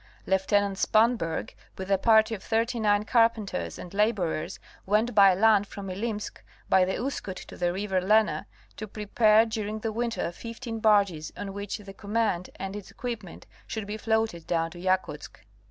Lieut. Spanberg, with a party of thirty nine carpenters and laborers, went by land from Ilimsk by the Uskut to the river Lena, to prepare during the winter fifteen barges on which the command and its equipment should be floated down to Yakutsk.